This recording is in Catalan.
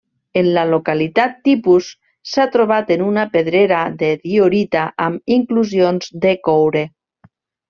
En la localitat tipus s'ha trobat en una pedrera de diorita amb inclusions de coure.